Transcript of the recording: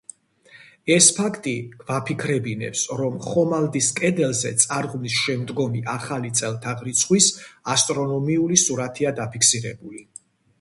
ეს ფაქტი გვაფიქრებინებს, რომ ხომლის კედელზე წარღვნის შემდგომი ახალი წელთაღრიცხვის ასტრონომიული სურათია დაფიქსირებული.